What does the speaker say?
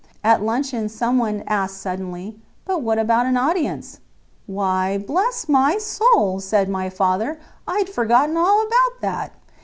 At luncheon someone asked suddenly: "But what about an audience?" "Why, bless my soul," said my father, "I'd forgotten all about that."